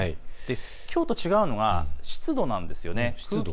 きょうと違うのが湿度なんです。